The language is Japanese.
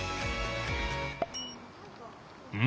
うん？